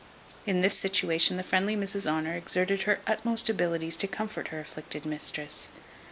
In this situation the friendly Mrs Honour exerted her utmost abilities to comfort her afflicted mistress.